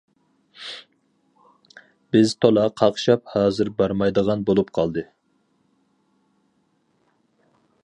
بىز تولا قاقشاپ ھازىر بارمايدىغان بولۇپ قالدى.